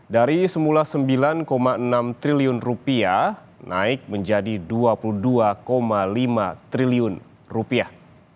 dari semula sembilan enam triliun rupiah naik menjadi dua puluh dua lima triliun rupiah